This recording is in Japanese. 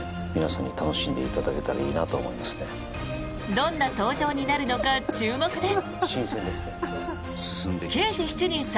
どんな登場になるのか注目です。